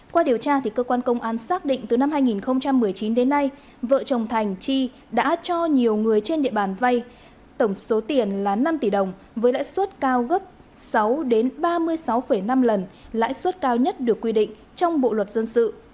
qua điều tra cơ quan công an xác định từ năm hai nghìn một mươi chín đến nay vợ chồng thành chi đã cho nhiều người trên địa bàn vay tổng số tiền là năm tỷ đồng với lãi suất cao gấp sáu ba mươi sáu năm lần lãi suất cao nhất được quy định trong bộ luật dân sự